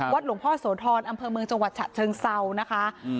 หลวงพ่อโสธรอำเภอเมืองจังหวัดฉะเชิงเซานะคะ